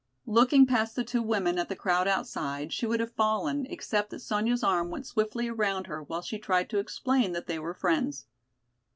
Looking past the two women at the crowd outside, she would have fallen except that Sonya's arm went swiftly around her while she tried to explain that they were friends.